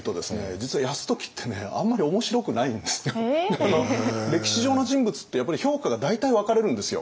実は歴史上の人物ってやっぱり評価が大体分かれるんですよ。